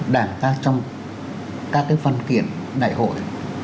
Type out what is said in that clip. đảng ta trong các phân kiện đại hội